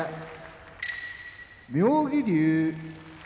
妙義龍